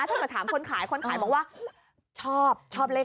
ถ้าเกิดถามคนขายคนขายบอกว่าชอบชอบเลข